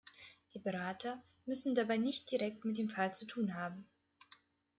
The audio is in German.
Die Berater müssen dabei nicht direkt mit dem Fall zu tun haben.